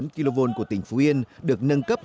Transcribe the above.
bốn kv của tỉnh phú yên được nâng cấp